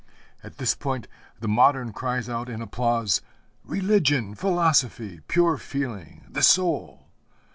At this point the modern cries out in applause, 'Religion, philosophy, pure feeling, the soul!'